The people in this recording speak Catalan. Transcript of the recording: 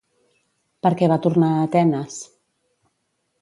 Per què va tornar a Atenes?